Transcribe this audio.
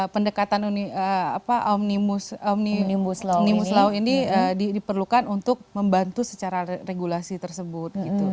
pendekatan omnibus law ini diperlukan untuk membantu secara regulasi tersebut